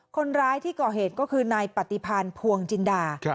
คนร้ายที่ก่อเหตุก็คือนายปฏิพันธ์ภวงจินดา